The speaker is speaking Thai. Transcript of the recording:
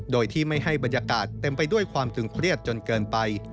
โดยที่ไม่ให้บรรยากาศเต็มไปด้วยความตึงเครียดจนเกินไป